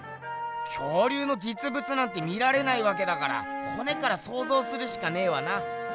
恐竜のじつぶつなんて見られないわけだからほねからそうぞうするしかねえわな。